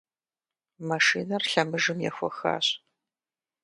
Машинэр лъэмыжым ехуэхащ.